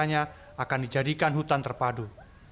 rencananya akan dijadikan hutan terpadu